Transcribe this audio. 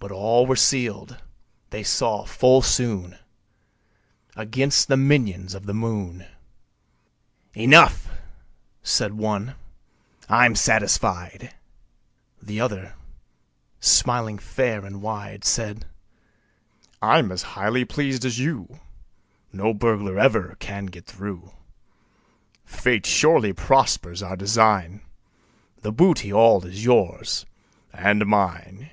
But all were sealed, they saw full soon, Against the minions of the moon. "Enough," said one: "I'm satisfied." The other, smiling fair and wide, Said: "I'm as highly pleased as you: No burglar ever can get through. Fate surely prospers our design The booty all is yours and mine."